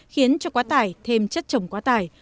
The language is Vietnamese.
khiến cho quá tải thêm chất trồng quá tải